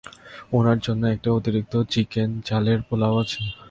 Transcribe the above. উনার জন্য একটা অতিরিক্ত চিকন চালের পোলাও আছে।